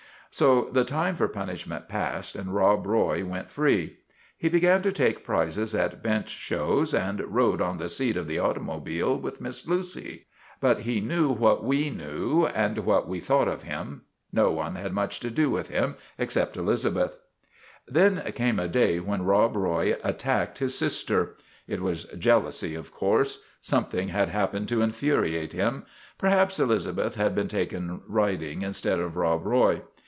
' So the time for punishment passed, and Rob Roy went free. He began to take prizes at bench shows, and rode on the seat of the automobile with Miss Lucy. But he knew what we knew and what we thought of him. No one had much to do with him except Elizabeth. JUSTICE AT VALLEY BROOK 107 " Then came a day when Rob Roy attacked his sister. It was jealousy, of course. Something had happened to infuriate him. Perhaps Elizabeth had been taken riding instead of Rob Roy.